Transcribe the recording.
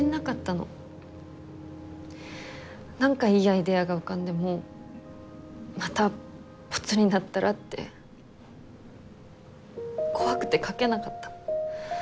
なんかいいアイデアが浮かんでもまたボツになったらって怖くて描けなかった。